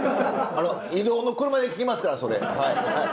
移動の車で聞きますからそれ。